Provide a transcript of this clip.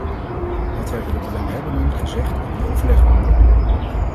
Wat hebben de belanghebbenden gezegd in die overlegronde?